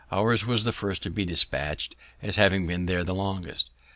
Ours was the first to be dispatch'd, as having been there longest.